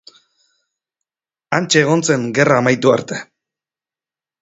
Hantxe egon zen gerra amaitu arte.